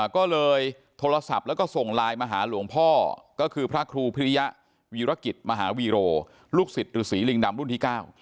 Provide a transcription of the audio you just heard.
ก็เลยโทรศัพท์แล้วก็ส่งไลน์มาหาหลวงพ่อก็คือพระครูพิริยะวีรกิจมหาวีโรลูกศิษย์ฤษีลิงดำรุ่นที่๙